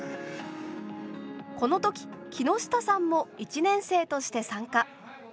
この時木下さんも１年生として参加。